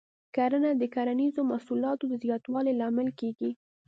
کرنه د کرنیزو محصولاتو د زیاتوالي لامل کېږي.